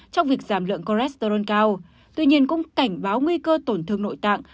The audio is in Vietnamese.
trong việc giảm lượng cholesterol cao tuy nhiên cũng cảnh báo nguy cơ tổn thương nội tạng